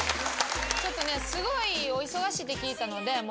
ちょっとねすごいお忙しいって聞いたので。